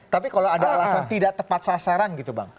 tapi kalau ada alasan tidak tepat sasaran gitu bang